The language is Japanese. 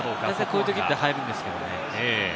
こういうときって入るんですよね。